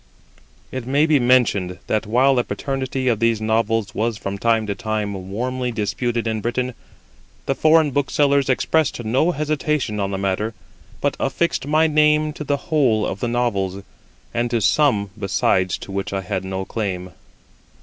It may be mentioned that, while the paternity of these Novels was from time to time warmly disputed in Britain, the foreign booksellers expressed no hesitation on the matter, but affixed my name to the whole of the Novels, and to some besides to which I had no claim.